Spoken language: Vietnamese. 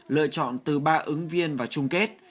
lựa chọn từ ba ứng viên và trung kết